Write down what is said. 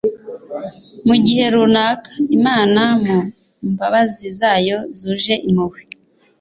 mu gihe runaka, imana mu mbabazi zayo zuje impuhwe